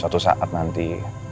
suatu saat nanti